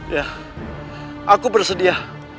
ya aku bersedia